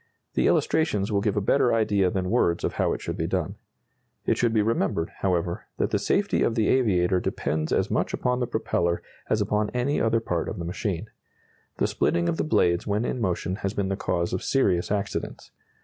The illustrations will give a better idea than words of how it should be done. It should be remembered, however, that the safety of the aviator depends as much upon the propeller as upon any other part of the machine. The splitting of the blades when in motion has been the cause of serious accidents.